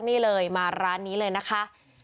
นี่เลยมาร้านนี้เลยนะคะ